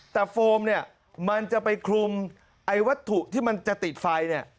แต่โฟมมันจะไปคลุมไว้วัตถุที่จะติดไฟ